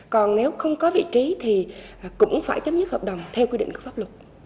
còn nếu không có vị trí thì cũng phải chấm dứt hợp đồng theo quy định của pháp luật